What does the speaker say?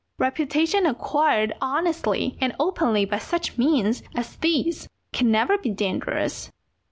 Reputation acquired honestly and openly by such means as these can never be dangerous.